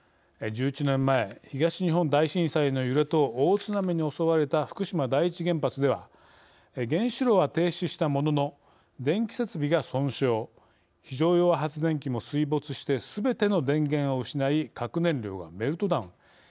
１１年前、東日本大震災の揺れと大津波に襲われた福島第一原発では原子炉は停止したものの電気設備が損傷非常用発電機も水没してすべての電源を失い核燃料がメルトダウン。